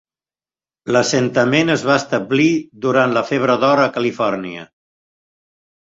L'assentament es va establir durant la febre d'or a Califòrnia.